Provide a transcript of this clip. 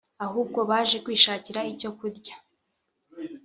ahubwo baje kwishakira icyo kurya